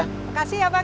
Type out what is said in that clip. makasih ya bang